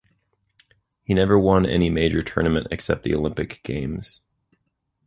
He never won any major tournament except the Olympic Games.